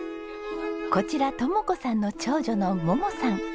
こちら智子さんの長女の桃さん。